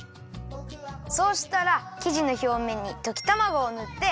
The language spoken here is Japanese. そうしたらきじのひょうめんにときたまごをぬって。